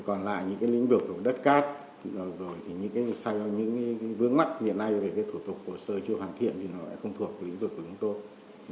còn lại những lĩnh vực đất cát những vướng mắt hiện nay về thủ tục hồ sơ chưa hoàn thiện thì nó lại không thuộc với lĩnh vực của chúng tôi